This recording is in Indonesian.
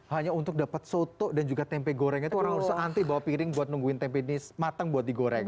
hanya untuk dapat soto dan juga tempe gorengnya itu kurang seanti bawa piring buat nungguin tempe ini matang buat digoreng